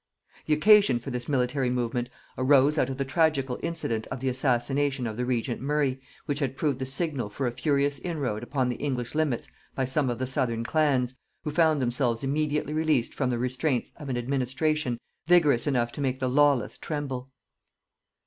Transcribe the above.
The occasion for this military movement arose out of the tragical incident of the assassination of the regent Murray, which had proved the signal for a furious inroad upon the English limits by some of the southern clans, who found themselves immediately released from the restraints of an administration vigorous enough to make the lawless tremble.